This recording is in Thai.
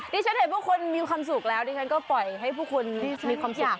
นี่ฉันเห็นพวกคุณมีความสุขแล้วนี่ฉันก็ปล่อยให้พวกคุณมีความสุข